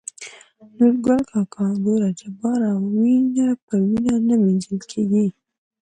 نورګل کاکا :ګوره جباره وينه په وينو نه مينځل کيږي.